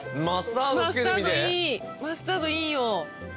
マスタードいいよ。